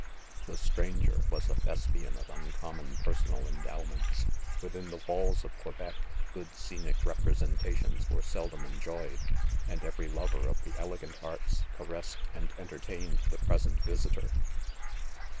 6 The stranger was a Thespian of uncommon. personal endowments j within the walls of Quebec, good scenic representations were sel dom enjoyed, and every lover of the elegant arts caressed and entertained the present vis itor.